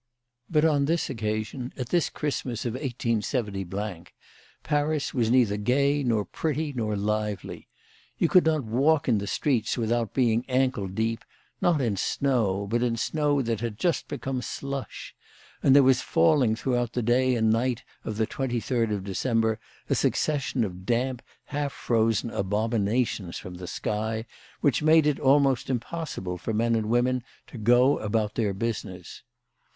But on this occasion, at this Christmas of 187 , Paris was neither gay nor pretty nor lively. You could not walk the streets without being ankle deep, not in snow, but in snow that had just become slush ; and there was falling throughout the day and night of the 23rd of December a succession of damp half frozen abominations from the sky which made it almost impossible for men and women to go about their business.